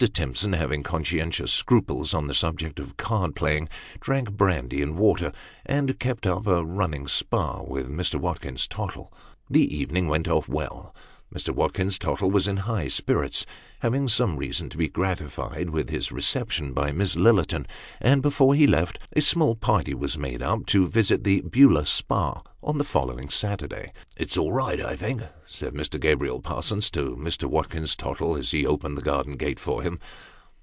Timson having conscientious scruples on the subject of card playing, drank brandy and water, and kept up a running spar with Mr. Watkins Tottle. The evening went An Unexpected Visitor. 337 off well ; Mr. Watkins Tottle was in high spirits, having some reason to be gratified with his reception by Miss Lillerton ; and before ho left, a small party was made up to visit the Beulah Spa on the follow ing Saturday. " It's all right, I think," said Mr. Gabriel Parsons to Mr. Watkins Tottle as lie opened the garden gate for him."